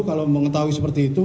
kalau mengetahui seperti itu